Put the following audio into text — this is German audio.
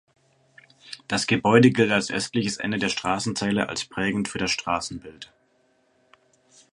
Das Gebäude gilt als östliches Ende der Straßenzeile als prägend für das Straßenbild.